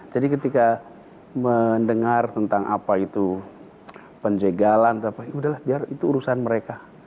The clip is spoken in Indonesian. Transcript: jadi ketika mendengar tentang apa itu penjagalan ya sudah lah itu urusan mereka